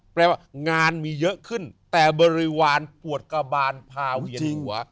แปลว่างานมีเยอะขึ้นแต่บริวารปวดกระบานพาเวียนหัว